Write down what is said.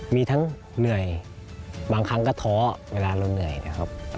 มีทั้งเหนื่อยบางครั้งก็ท้อเวลาเราเหนื่อยนะครับ